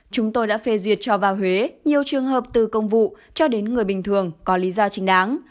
chúng tôi đã phê duyệt cho vào huế nhiều trường hợp từ công vụ cho đến người bình thường có lý do chính đáng